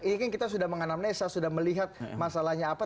ini kan kita sudah menganam nesa sudah melihat masalahnya apa